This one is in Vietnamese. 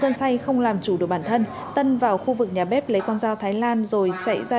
sơn say không làm chủ được bản thân tân vào khu vực nhà bếp lấy con dao thái lan rồi chạy ra